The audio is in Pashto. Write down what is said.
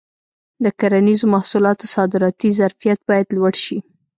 د کرنیزو محصولاتو صادراتي ظرفیت باید لوړ شي.